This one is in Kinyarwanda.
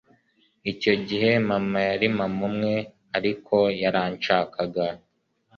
Icyo gihe, mama yari mama umwe ariko yaranshakaga